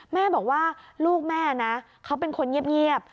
แม่บอกว่าลูกแม่นะเขาเป็นคนเงียบ